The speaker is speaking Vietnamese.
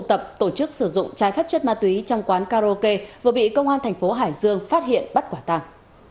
tổ chức sử dụng trái phép chất ma túy trong quán karaoke vừa bị công an thành phố hải dương phát hiện bắt quả tàng